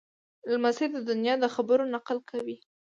لمسی د نیا د خبرو نقل کوي.